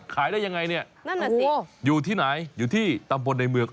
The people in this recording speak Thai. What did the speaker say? ขายได้ยังไงเนี่ยนั่นน่ะสิอยู่ที่ไหนอยู่ที่ตำบลในเมือง